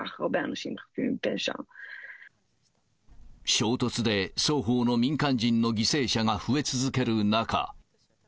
衝突で双方の民間人の犠牲者が増え続ける中。